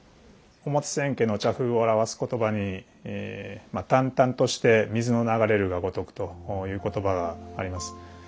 表千家の茶風を表す言葉に「淡々として水の流れるがごとく」という言葉があります。